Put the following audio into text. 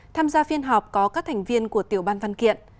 tham gia phiên họp có các thành viên của tiểu ban văn kiện